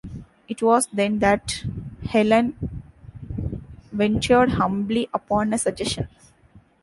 It was then that Helene ventured humbly upon a suggestion.